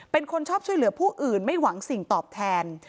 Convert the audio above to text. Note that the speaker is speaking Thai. เป็นคนชอบช่วยเหลือผู้อื่นไม่หวังสิ่งตอบแทน